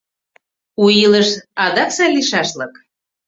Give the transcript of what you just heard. У илыш адак сай лийшашлык